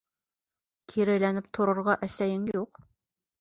Киреләнеп торорға әсәйең юҡ.